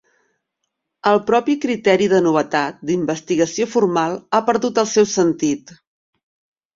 El propi criteri de novetat, d'investigació formal, ha perdut el seu sentit.